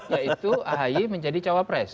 yaitu ahy menjadi capres